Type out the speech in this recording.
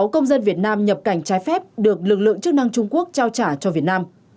hai trăm linh sáu công dân việt nam nhập cảnh trái phép được lực lượng chức năng trung quốc trao trả cho việt nam